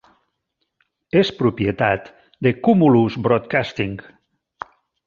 És propietat de Cumulus Broadcasting.